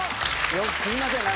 すいません